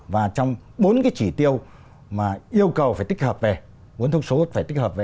và trong bốn cái chỉ tiêu mà yêu cầu phải tích hợp về bốn thông số phải tích hợp về